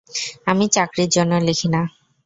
আমি চাকরির জন্য লিখি না।